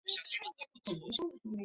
研议台北市东侧南北向捷运系统。